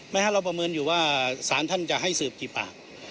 เราประเมินอยู่ว่าสารท่านจะให้สืบกี่ปาก